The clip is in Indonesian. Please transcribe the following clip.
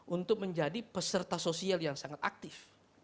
untuk menjadi peserta sosial yang sangat aktif